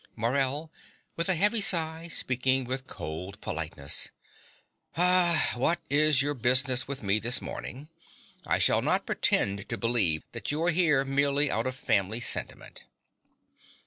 MORELL (with a heavy sigh, speaking with cold politeness). What is your business with me this morning? I shall not pretend to believe that you are here merely out of family sentiment.